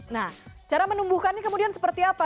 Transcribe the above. nah cara menumbuhkannya kemudian seperti apa